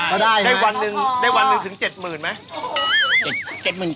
ก็ได้ได้ได้วันหนึ่งถึง๗๐๐๐๐แมล๊ะโอ้โฮ